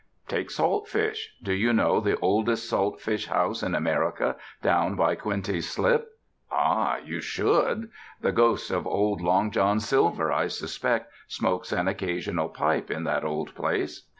Take salt fish. Do you know the oldest salt fish house in America, down by Coenties Slip? Ah! you should. The ghost of old Long John Silver, I suspect, smokes an occasional pipe in that old place.